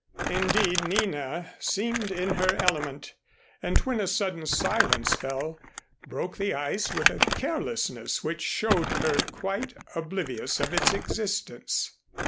Indeed, Nina seemed in her element, and, when a sudden silence fell, broke the ice with a carelessness which showed her quite oblivious of its existence.